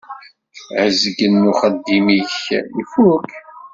Azgen n uxeddim-ik ifukk.